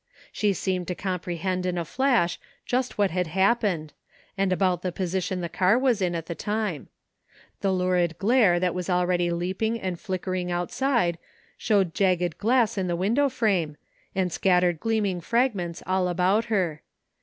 She seemed to comprehend in a flash just what had hap pened, and about the position the car was in at the time The lurid glare that was already leaping and flickering outside showed jagged glass in the window frame, and scattered gleaming fragments all about her.